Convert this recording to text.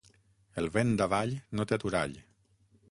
El vent d'avall no té aturall.